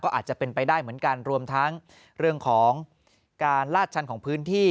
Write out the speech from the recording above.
อาจจะเป็นไปได้เหมือนกันรวมทั้งเรื่องของการลาดชันของพื้นที่